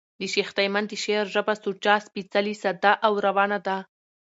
د شېخ تیمن د شعر ژبه سوچه، سپېڅلې، ساده او روانه ده.